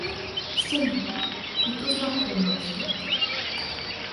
Стена — и то знакомая что-то.